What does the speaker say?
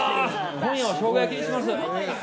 今夜はショウガ焼きにします。